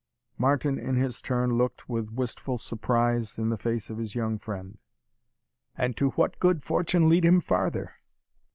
Martin, in his turn, looked with wistful surprise in the face of his young friend. "And to what could fortune lead him farther?"